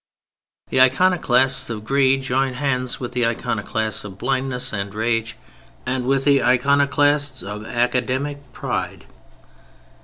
The Iconoclasts of greed joined hands with the Iconoclasts of blindness and rage and with the Iconoclasts of academic pride.